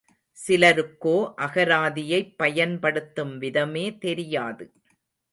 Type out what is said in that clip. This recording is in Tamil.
சிலருக்கோ அகராதியைப் பயன்படுத்தும் விதமே தெரியாது.